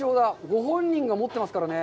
ご本人が持ってますからね。